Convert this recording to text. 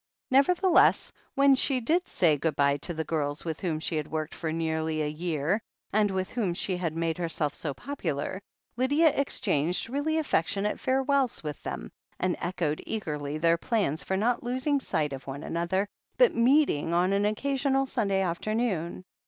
Nevertheless, when she did say good bye to the girls with whom she had worked for nearly a year, and with whom she had made herself so popular, Lydia ex changed really affectionate farewells with them, and echoed eagerly their plans for not losing sight of one another, but meeting on an occasional Sunday after noon.